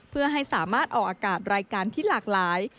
เพื่อให้สามารถออกอากาศรายการที่หลากหลาย